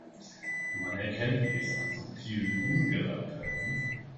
Man erkennt es an subtilen Ungereimtheiten.